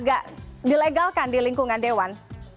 agak dilegalkan di lingkungan dewan